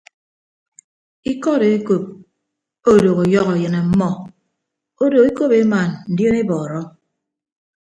Ikọd ekop odooho ọyọhọ enyịñ ọmmọ odo ekop ema ndionebọọrọ.